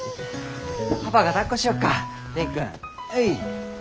パパがだっこしよっか蓮くん。